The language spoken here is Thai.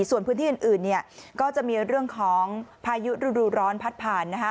ส่วนพื้นที่อื่นเนี่ยก็จะมีเรื่องของพายุฤดูร้อนพัดผ่านนะคะ